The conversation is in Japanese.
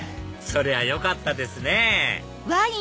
そりゃよかったですね！